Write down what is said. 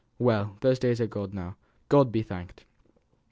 Well! those days are all over now. God be thanked!"